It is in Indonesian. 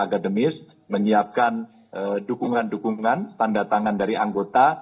akademis menyiapkan dukungan dukungan tanda tangan dari anggota